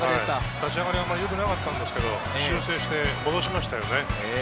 立ち上がり、あまりよくなかったんですけど、修正して戻しましたよね。